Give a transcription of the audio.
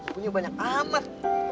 punya banyak amat